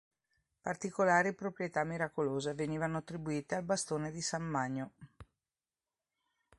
Particolari proprietà miracolose venivano attribuite al bastone di San Magno.